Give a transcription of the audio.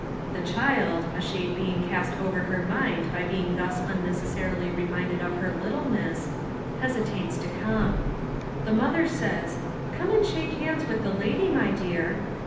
The child a shade being cast over her mind by being thus unnecessarily reminded of her littleness hesitates to come. The mother says, "Come and shake hands with the lady, my dear!"